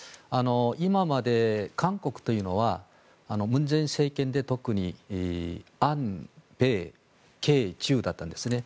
今まで韓国というのは文在寅政権で特に安、米、経、中だったんですね。